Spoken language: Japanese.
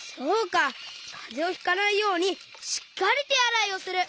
かぜをひかないようにしっかりてあらいをする！